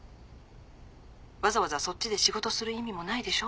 わざわざそっちで仕事する意味もないでしょ。